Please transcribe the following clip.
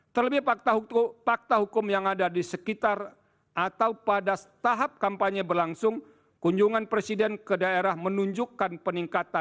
terlebih fakta hukum yang ada di sekitar atau pada tahap kampanye berlangsung kunjungan presiden ke daerah menunjukkan peningkatan